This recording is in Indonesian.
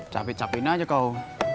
capek capek ini aja kau